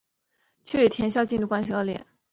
却与校田径队关系恶劣。